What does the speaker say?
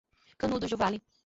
Canudos do Vale